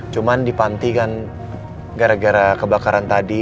cuman di panti kan gara gara kebakaran tadi